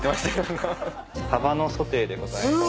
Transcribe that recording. サバのソテーでございます。